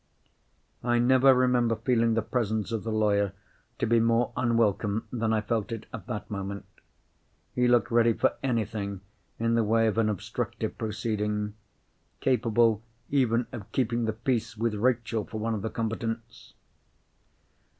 I never remember feeling the presence of the lawyer to be more unwelcome than I felt it at that moment. He looked ready for anything in the way of an obstructive proceeding—capable even of keeping the peace with Rachel for one of the combatants!